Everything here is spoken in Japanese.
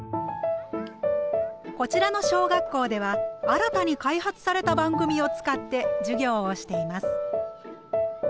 こちらの小学校では新たに開発された番組を使って授業をしています。